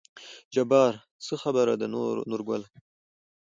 جبار : څه خبره ده نورګله